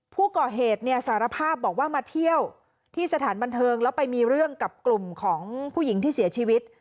ผู้ก่อเหตุเนี่ยสารภาพบอกว่ามาเที่ยวที่สถานบันเทิงแล้วไปมีเรื่องกับกลุ่มของผู้หญิงที่เสียชีวิต